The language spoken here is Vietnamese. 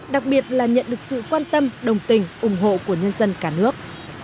đặc biệt là nhận được sự quan tâm đồng tình ủng hộ của nhân dân cả nước